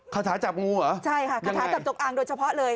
คาถาจับงูเหรอใช่ค่ะคาถาจับจงอางโดยเฉพาะเลย